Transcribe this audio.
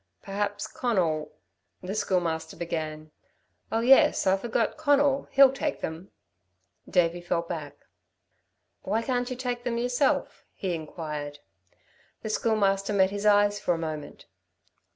"Perhaps Conal" the Schoolmaster began. "Oh, yes, I forgot, Conal he'll take them." Davey fell back. "Why can't you take them yourself?" he inquired. The Schoolmaster met his eyes for a moment.